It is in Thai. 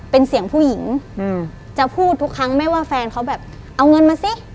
เป็นเสียงผู้หญิงอืมจะพูดทุกครั้งไม่ว่าแฟนเขาแบบเอาเงินมาสิ